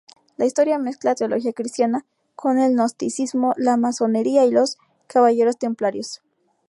La historia mezcla teología cristiana con el gnosticismo, la masonería y los caballeros templarios.